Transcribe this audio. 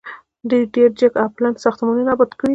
دوی ډیر جګ او پلن ساختمانونه اباد کړي دي.